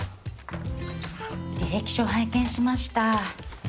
履歴書拝見しました。